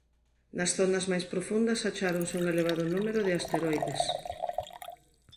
Nas zonas máis profundas acháronse un elevado número de asteroideos.